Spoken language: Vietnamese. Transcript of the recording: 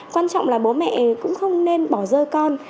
quan trọng là bố mẹ cũng không nên bỏ rơi con